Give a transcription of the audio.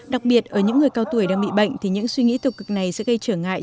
đặc biệt ở những người cao tuổi đang bị bệnh thì những suy nghĩ tục cực này sẽ gây trở ngại